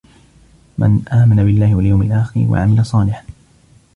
مَنْ آمَنَ بِاللَّهِ وَالْيَوْمِ الْآخِرِ وَعَمِلَ صَالِحًا